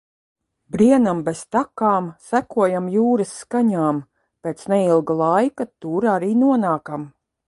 Brienam bez takām, sekojam jūras skaņām. Pēc neilga laika tur arī nonākam.